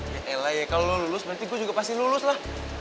ya ella ya kalau lo lulus berarti gue juga pasti lulus lah